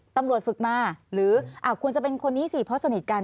ตำรวจฝึกมาหรือควรจะเป็นคนนี้สิเพราะสนิทกัน